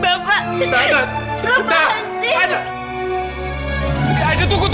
aiden jangan pergi aiden